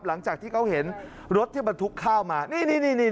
หลังจากที่เขาเห็นรถที่บรรทุกข้าวมานี่นี่